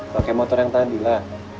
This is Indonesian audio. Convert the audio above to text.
pakai motor yang tadi lah